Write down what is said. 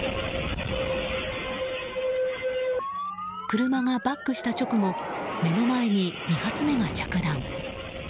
車がバックした直後目の前に２発目が着弾。